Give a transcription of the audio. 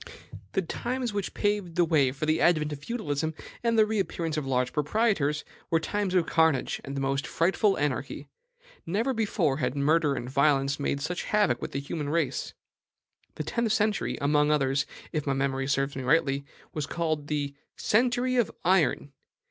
The times which paved the way for the advent of feudalism and the reappearance of large proprietors were times of carnage and the most frightful anarchy. Never before had murder and violence made such havoc with the human race. The tenth century, among others, if my memory serves me rightly, was called the CENTURY OF IRON.